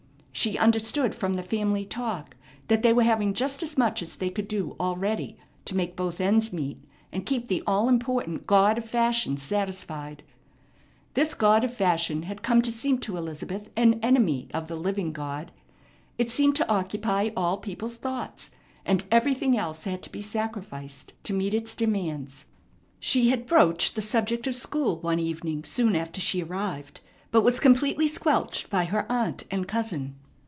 She understood from the family talk that they were having just as much as they could do already to make both ends meet and keep the all important god of Fashion satisfied. This god of Fashion had come to seem to Elizabeth an enemy of the living God. It seemed to occupy all people's thoughts, and everything else had to be sacrificed to meet its demands. She had broached the subject of school one evening soon after she arrived, but was completely squelched by her aunt and cousin.